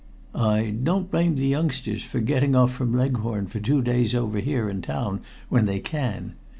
I don't blame the youngsters for getting off from Leghorn for two days over here in town when they can.